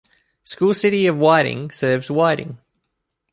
School City of Whiting serves Whiting.